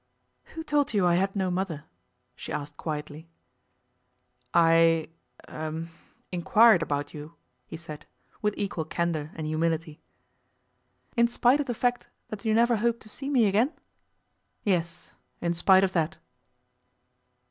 'Who told you I had no mother?' she asked quietly. 'I er inquired about you,' he said, with equal candour and humility. 'In spite of the fact that you never hoped to see me again?' 'Yes, in spite of that.